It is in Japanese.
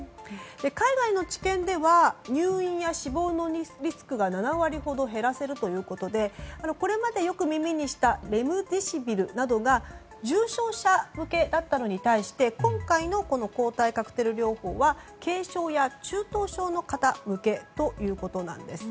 海外の治験では入院や死亡のリスクが７割ほど減らせるということでこれまでよく耳にしたレムデシビルなどが重症者向けだったのに対して今回の抗体カクテル療法は軽症や中等症の方向けということなんです。